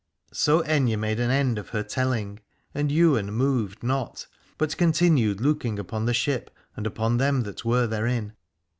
So Aithne made an end of her telling, and Ywain moved not but continued looking upon the ship and upon them that were therein.